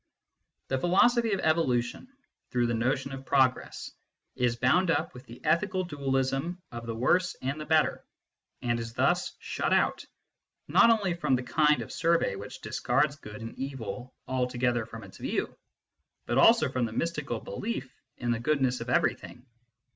The philosophy of evolution, through the notion of progress, is bound up with the ethical dualism of the worse and the better, and is thus shut out, not only from the kind of survey which discards good and evil alto gether from its view, but also from the mystical belief in the goodness of everything.